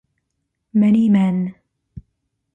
Many men.